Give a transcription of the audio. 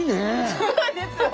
そうなんですよ！